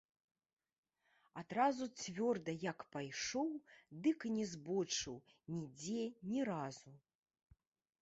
Адразу цвёрда як пайшоў, дык і не збочыў нідзе ні разу.